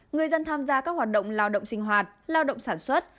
người dân tham gia các hoạt động lao động sinh hoạt lao động sản xuất